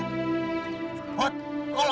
lihat alvin kabur